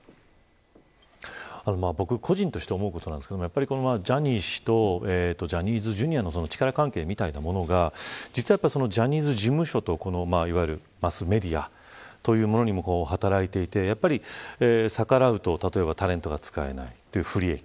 僕個人として思うことですがジャニー氏とジャニーズＪｒ．の力関係みたいなものがジャニーズ事務所といわゆるマスメディアというものにも働いていて逆らうと例えば、タレントが使えない不利益。